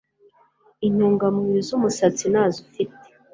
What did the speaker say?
intungamubiri z'umusatsi nazo ufite